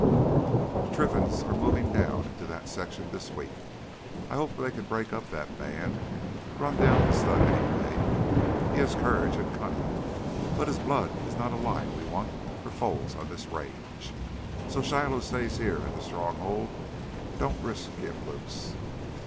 "The Trinfans are moving down into that section this week. I hope they can break up that band, run down the stud anyway. He has courage and cunning, but his blood is not a line we want for foals on this range. So Shiloh stays here at the Stronghold; don't risk him loose."